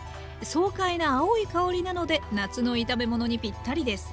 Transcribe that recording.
爽快な青い香りなので夏の炒め物にぴったりです。